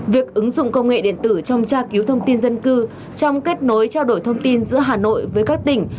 việc ứng dụng công nghệ điện tử trong tra cứu thông tin dân cư trong kết nối trao đổi thông tin giữa hà nội với các tỉnh